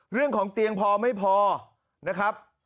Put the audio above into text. เรื่องของเตียงพอไม่พอนะครับ